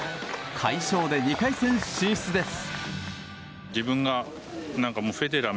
快勝で２回戦進出です。